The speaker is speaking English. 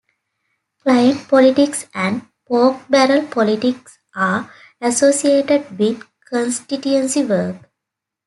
Client politics and pork barrel politics are associated with constituency work.